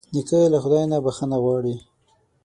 نیکه له خدای نه بښنه غواړي.